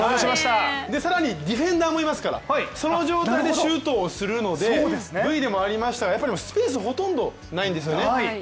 更にディフェンダーもいますからその状態でシュートをするので、Ｖでもありましたがやっぱりスペースほとんどないんですよね。